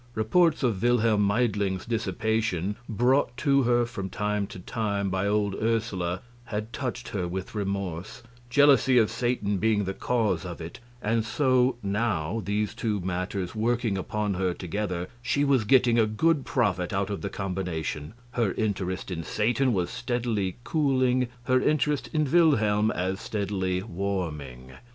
Reports of Wilhelm Meidling's dissipation brought to her from time to time by old Ursula had touched her with remorse, jealousy of Satan being the cause of it; and so now, these two matters working upon her together, she was getting a good profit out of the combination her interest in Satan was steadily cooling, her interest in Wilhelm as steadily warming.